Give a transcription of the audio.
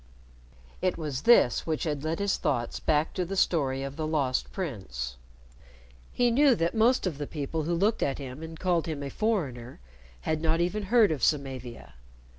It was this which had led his thoughts back to the story of the Lost Prince. He knew that most of the people who looked at him and called him a "foreigner" had not even heard of Samavia.